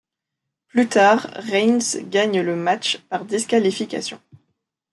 Plus tard, Reigns gagne le match par disqualification.